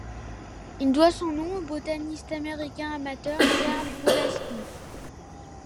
Il doit son nom au botaniste américain amateur Charles Polaski.